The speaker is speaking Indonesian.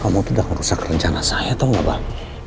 kamu itu udah ngerusak rencana saya tahu nggak bang